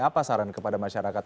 apa saran kepada masyarakat